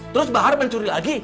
terus bahar mencuri lagi